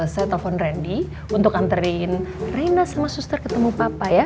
saya telepon randy untuk nganterin reyna sama suster ketemu papa ya